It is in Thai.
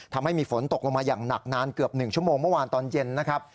ทำให้มีฝนตกลงมาอย่างหนักนานเกือบ๑ชั่วโมงเมื่อวานตอนเย็นนะครับ